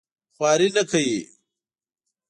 خواري نه کوي.